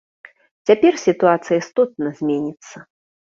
Цяпер сітуацыя істотна зменіцца.